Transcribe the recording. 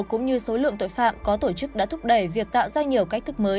cũng như số lượng tội phạm có tổ chức đã thúc đẩy việc tạo ra nhiều cách thức mới